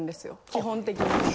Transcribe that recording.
基本的に。